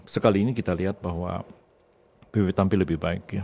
sekali ini kita lihat bahwa pbb tampil lebih baik